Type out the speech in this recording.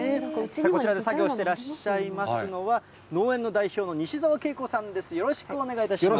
こちらで作業してらっしゃいますのは、農園の代表、西澤圭子さんよろしくお願いします。